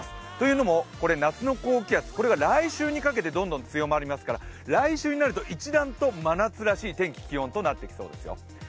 というのもこれ、夏の高気圧が来週にかけてどんどん強まりますから来週になると一段と真夏らしい天気、気温となってきそうですね。